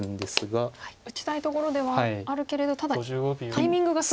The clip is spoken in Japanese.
ここは打ちたいところではあるけれどただタイミングがすごいですよね。